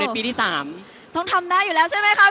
ในปีที่๓ต้องทำได้อยู่แล้วใช่มั้ยคะ